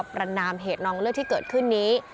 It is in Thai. ประนามเหตุน้องเลือดที่เกิดขึ้นนี้